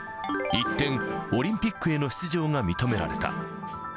一転、オリンピックへの出場が認められた。